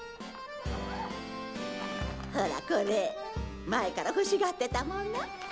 ほらこれ前から欲しがってたもの。